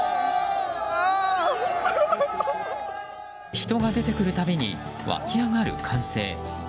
人が出てくる度に沸き上がる歓声。